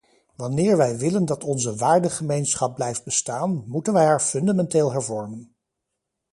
Wanneer wij willen dat onze waardegemeenschap blijft bestaan, moeten wij haar fundamenteel hervormen.